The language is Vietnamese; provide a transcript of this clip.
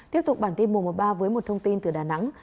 tiếp tục bản tin mùa một mươi ba với một thông tin từ đà nẵng